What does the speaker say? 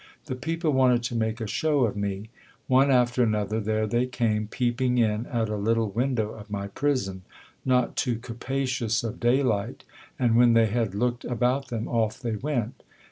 The people wanted to make a show of me ! One after another, there they came, peeping in at a little window of my prison, not too capacious of daylight ; and when they had looked about them, off they went